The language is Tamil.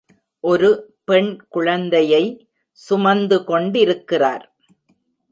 ஒரு பெண் குழந்தையை சுமந்துகொண்டிருக்கிறார்.